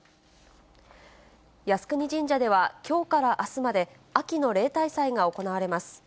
靖国神社では、きょうからあすまで、秋の例大祭が行われます。